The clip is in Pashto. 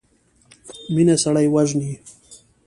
مينه سړی وژني.